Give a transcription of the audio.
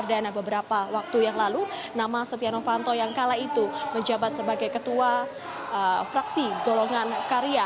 perdana beberapa waktu yang lalu nama setia novanto yang kala itu menjabat sebagai ketua fraksi golongan karya